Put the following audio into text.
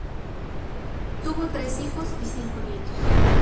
Tuvo tres hijos y cinco nietos.